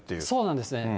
そうなんですね。